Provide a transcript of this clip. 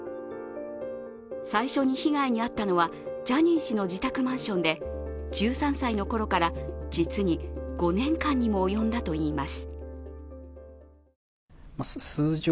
最初に被害に遭ったのはジャニー氏の自宅マンションで１３歳のころから、実に５年間にも及んだといいます。